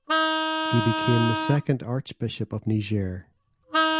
He became the second Archbishop of Niger.